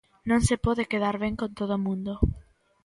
Non se pode quedar ben con todo o mundo.